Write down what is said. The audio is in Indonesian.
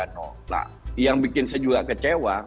nah yang bikin saya juga kecewa